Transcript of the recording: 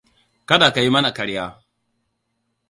Ka da ka yi mana ƙarya.